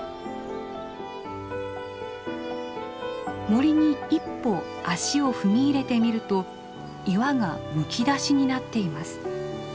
森に一歩足を踏み入れてみると岩がむき出しになっています。